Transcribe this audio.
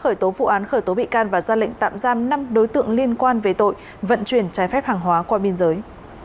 khởi tố vụ án khởi tố bị can và ra lệnh tạm giam năm đối tượng liên quan về tội vận chuyển trái phép hàng hóa qua biên giới